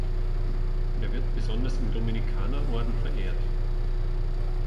Er wird besonders im Dominikanerorden verehrt.